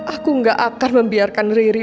aku gak akan membiarkan riri